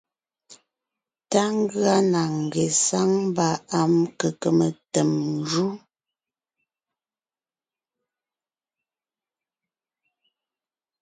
Tá ngʉa na ngesáŋ mba am kqm tem jú.